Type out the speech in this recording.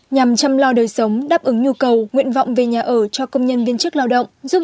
nhằm chăm lo đời sống đáp ứng nhu cầu nguyện vọng về nhà ở cho công nhân viên chức lao động